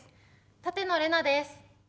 舘野伶奈です。